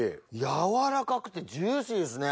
軟らかくてジューシーですね。